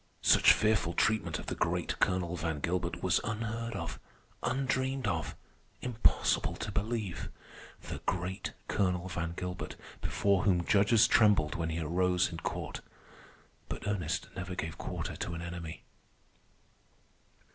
Such fearful treatment of the great Colonel Van Gilbert was unheard of, undreamed of, impossible to believe—the great Colonel Van Gilbert before whom judges trembled when he arose in court. But Ernest never gave quarter to an enemy.